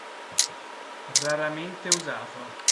Raramente usato.